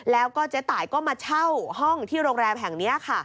แล้วก็เจ๊ตายก็มาเช่าห้องที่โรงแรมแห่งนี้ค่ะ